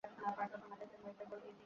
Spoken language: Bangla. বাইরে দিকে নিয়ে যাও, বোহ!